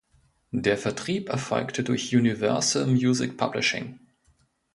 Der Vertrieb erfolgte durch Universal Music Publishing.